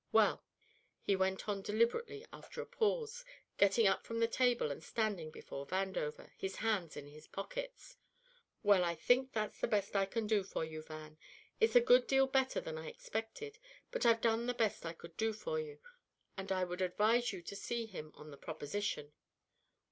Well," he went on deliberately after a pause, getting up from the table and standing before Vandover, his hands in his pockets, "well, I think that's the best I can do for you, Van. It's a good deal better than I expected, but I've done the best I could for you, and I would advise you to see him on the proposition."